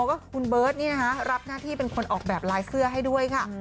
ว่าคุณเบิร์ตนี่นะคะรับหน้าที่เป็นคนออกแบบลายเสื้อให้ด้วยค่ะ